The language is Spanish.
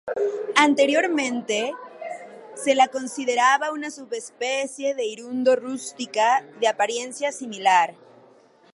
Anteriormente, se la consideraba una subespecie de "Hirundo rustica", de apariencia similar.